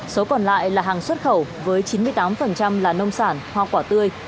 số còn lại là hàng xuất khẩu với chín mươi tám là nông sản hoa quả tươi